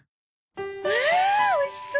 うわあおいしそう！